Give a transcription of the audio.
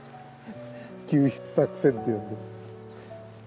救出作戦と呼んでる。